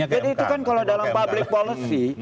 jadi itu kan kalau dalam public policy